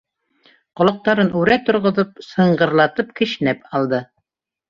Ҡолаҡтарын үрә торғоҙоп, сыңғырлатып кешнәп алды.